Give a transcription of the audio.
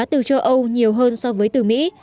từ châu âu nhiều hơn so với từ mỹ